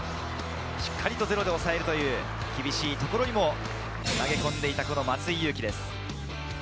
しっかりゼロで抑えて厳しいところにも投げ込んでいた松井裕樹です。